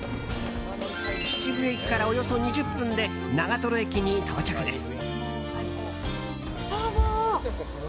秩父駅から、およそ２０分で長瀞駅に到着です。